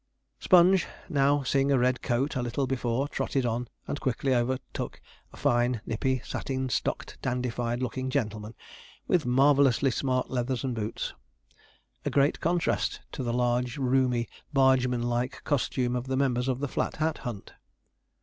Sponge now, seeing a red coat a little before, trotted on, and quickly overtook a fine nippy, satin stocked, dandified looking gentleman, with marvellously smart leathers and boots a great contrast to the large, roomy, bargemanlike costume of the members of the Flat Hat Hunt.